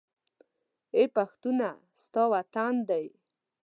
اې پښتونه! ستا وطن دى